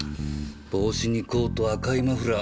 帽子にコート赤いマフラー